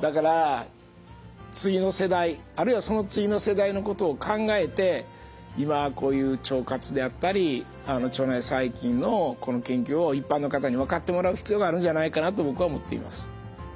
だから次の世代あるいはその次の世代のことを考えて今こういう腸活であったり腸内細菌のこの研究を一般の方に分かってもらう必要があるんじゃないかなと僕は思っています。